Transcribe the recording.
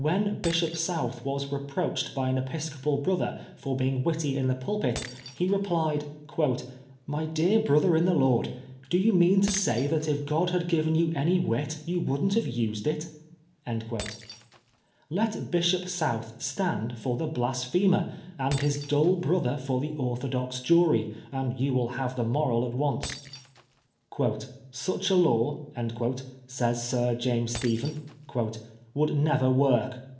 When Bishop South was reproached by an episcopal brother for being witty in the pulpit, he replied, " My dear brother in the Lord, do you mean to say that if God had given you any wit you wouldn't have used it r Let Bishop South stand for the " blasphemer," and his dull brother for the orthodox jury, and you have the moral at once. " Such a law, says Sir James Stephen, " would never work."